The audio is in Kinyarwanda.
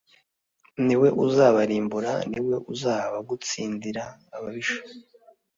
ni we uzabarimbura, ni we uzabagutsindira ababisha.